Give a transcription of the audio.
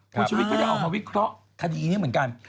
คุณชุวิตก็ได้ออกมาวิเคราะห์คดีนี้เหมือนกัน